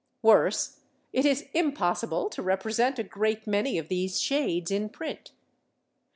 Worse, it is impossible to represent a great many of these shades in print.